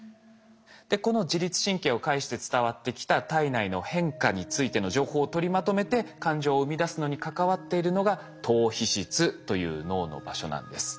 でこの自律神経を介して伝わってきた体内の変化についての情報を取りまとめて感情を生み出すのに関わっているのが島皮質という脳の場所なんです。